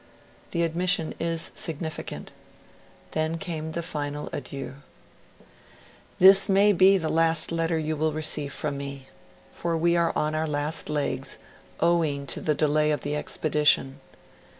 The admission is significant. And then came the final adieux. 'This may be the last letter you will receive from me, for we are on our last legs, owing to the delay of the expedition.